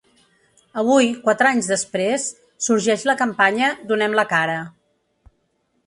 Avui, quatre anys després, sorgeix la campanya ‘Donem la cara’.